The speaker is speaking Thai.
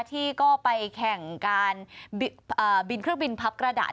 ที่ก็ไปแข่งการบินเครื่องบินพับกระดาษ